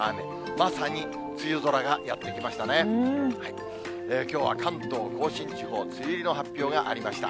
まさに梅雨空がやってきましたね。